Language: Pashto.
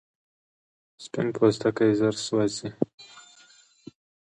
سپین پوستکی ژر سوځي